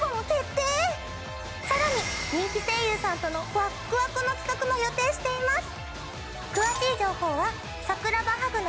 さらに人気声優さんとのワックワクの企画も予定しています。